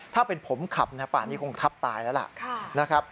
ถ้าเป็นผมขับตอนนี้คงทับตายแล้วล่ะ